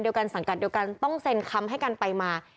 กันสังกัดเดียวกันต้องเซ็นคำให้กันไปมา